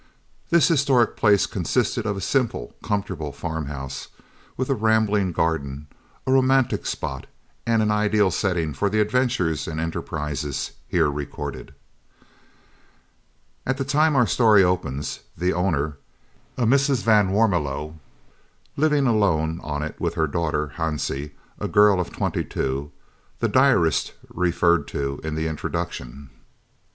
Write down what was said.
This historical place consisted of a simple, comfortable farm house, with a rambling garden a romantic spot, and an ideal setting for the adventures and enterprises here recorded. At the time our story opens, the owner, Mrs. van Warmelo, was living alone on it with her daughter, Hansie, a girl of twenty two, the diarist referred to in the Introduction.